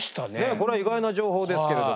これは意外な情報ですけれども。